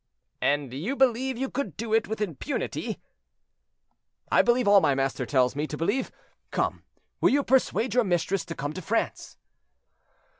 "And you believe you could do it with impunity?" "I believe all my master tells me to believe. Come, will you persuade your mistress to come to France?"